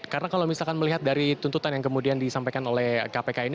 karena kalau misalkan melihat dari tuntutan yang kemudian disampaikan oleh kpk ini